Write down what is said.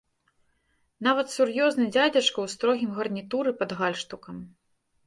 Нават сур'ёзны дзядзечка ў строгім гарнітуры пад гальштукам.